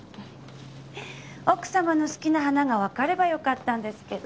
奥様の好きな花がわかればよかったんですけど。